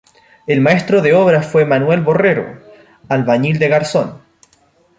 El maestro de obra fue Manuel Borrero, albañil de Garzón.